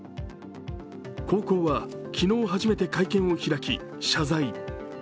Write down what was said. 高校は昨日、初めて会見を開き謝罪。